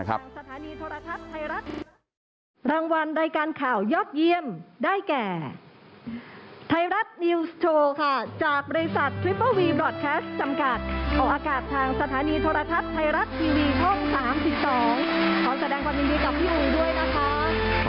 ขอบคุณจริงครับ